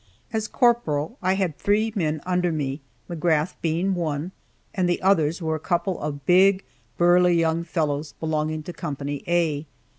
As corporal I had three men under me, McGrath being one, and the others were a couple of big, burly young fellows belonging to Co. A.